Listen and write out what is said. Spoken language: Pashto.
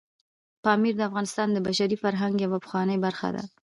پامیر د افغانستان د بشري فرهنګ یوه پخوانۍ برخه ده.